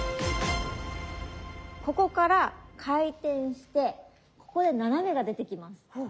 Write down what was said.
ここから回転してここで斜めが出てきます。